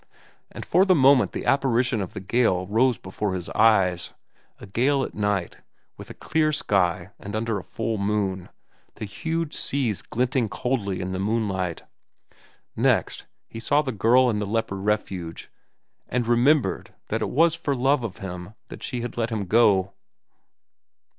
And for the moment the apparition of the gale rose before his eyes—a gale at night, with a clear sky and under a full moon, the huge seas glinting coldly in the moonlight. Next, he saw the girl in the leper refuge and remembered it was for love of him that she had let him go.